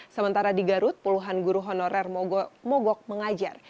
sementara di garut puluhan guru honorer mogok mengajar